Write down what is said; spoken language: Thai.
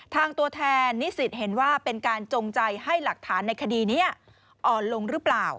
ตัวแทนนิสิตเห็นว่าเป็นการจงใจให้หลักฐานในคดีนี้อ่อนลงหรือเปล่า